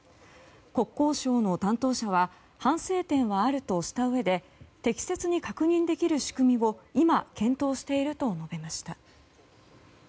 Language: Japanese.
国交省の担当者は反省点はあるとしたうえで適切に確認できる仕組みを今、検討していると述べました。